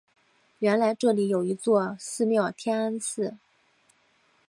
原来这里有一座寺庙天安寺。